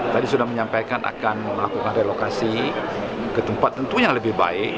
tadi sudah menyampaikan akan melakukan relokasi ke tempat tentu yang lebih baik